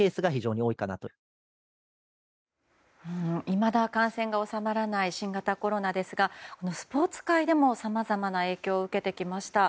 いまだ感染が収まらない新型コロナですがスポーツ界でもさまざまな影響を受けてきました。